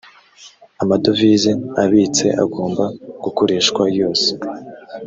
amadovize abitse agomba gukoreshwa yose